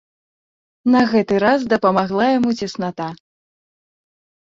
На гэты раз дапамагла яму цесната.